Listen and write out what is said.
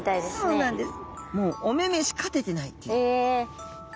そうなんです。